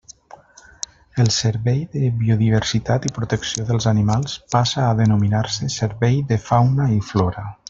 El Servei de Biodiversitat i Protecció dels Animals passa a denominar-se Servei de Fauna i Flora.